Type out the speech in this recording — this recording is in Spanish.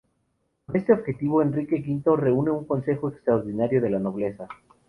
Con este objetivo Enrique V reúne un consejo extraordinario de la nobleza.